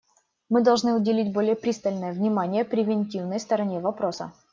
Мы должны уделить более пристальное внимание превентивной стороне вопроса.